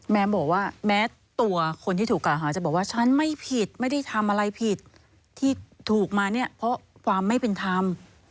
บอกว่าแม้ตัวคนที่ถูกกล่าวหาจะบอกว่าฉันไม่ผิดไม่ได้ทำอะไรผิดที่ถูกมาเนี่ยเพราะความไม่เป็นธรรม